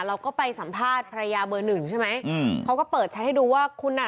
เราก็ไปสัมภาษณ์ภรรยาเบอร์หนึ่งใช่ไหมอืมเขาก็เปิดแชทให้ดูว่าคุณอ่ะ